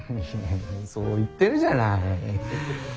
そう言ってるじゃない。